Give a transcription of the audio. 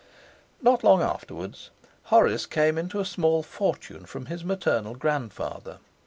Not long afterwards Horace came into a small fortune from his maternal grandfather.